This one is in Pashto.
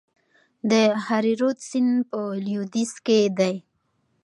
د هریرود سیند په لویدیځ کې دی